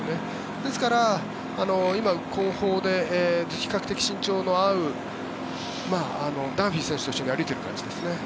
なので今、後方で比較的、身長の合うダンフィー選手たちと歩いている感じですね。